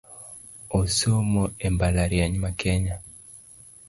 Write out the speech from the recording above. Osomo e mbalariany ma Kenya